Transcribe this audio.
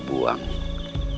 aku akan menolongmu